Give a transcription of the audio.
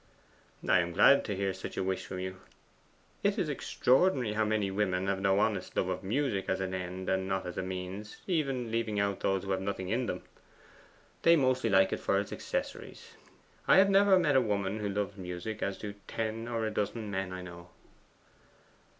'I am glad to hear such a wish from you. It is extraordinary how many women have no honest love of music as an end and not as a means, even leaving out those who have nothing in them. They mostly like it for its accessories. I have never met a woman who loves music as do ten or a dozen men I know.